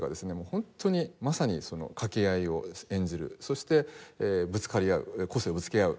本当にまさに掛け合いを演じるそしてぶつかり合う個性をぶつけ合う。